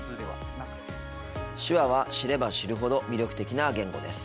手話は知れば知るほど魅力的な言語です。